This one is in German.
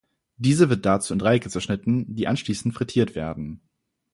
Diese wird dazu in Dreiecke zerschnitten, die anschließend frittiert werden.